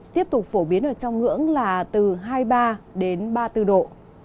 tiếp tục phổ biến ở trong ngưỡng là từ hai mươi ba đến ba mươi bốn độ